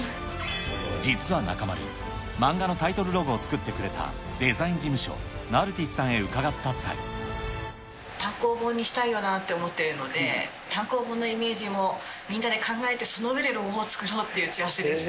実は中丸、漫画のタイトルロゴを作ってくれたデザイン事務所、単行本にしたいよなって思ってるので、単行本のイメージもみんなで考えて、その上でロゴを作ろうっていう打ち合わせです。